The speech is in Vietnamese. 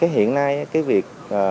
hiện nay cái việc